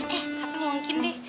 eh tapi mungkin deh